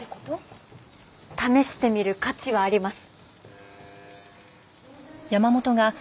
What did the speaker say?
試してみる価値はあります。